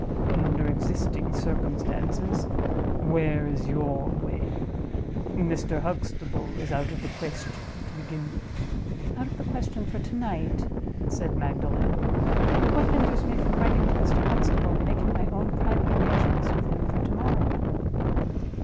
Under existing circumstances, where is your way? Mr. Huxtable is out of the question, to begin with." "Out of the question for to night," said Magdalen; "but what hinders me from writing to Mr. Huxtable, and making my own private arrangements with him for to morrow?"